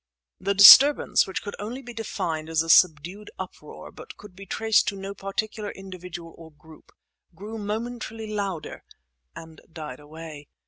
The disturbance, which could only be defined as a subdued uproar, but could be traced to no particular individual or group, grew momentarily louder—and died away.